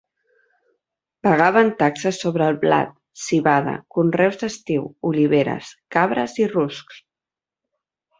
Pagaven taxes sobre el blat, civada, conreus d'estiu, oliveres, cabres i ruscs.